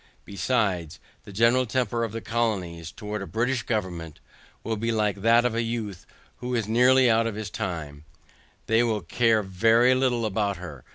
Besides, the general temper of the colonies, towards a British government, will be like that of a youth, who is nearly out of his time; they will care very little about her.